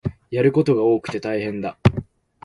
やることが多くて大変だ